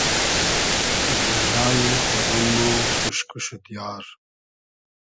زیمینای خۉدۉن مۉ خوشک و شودیار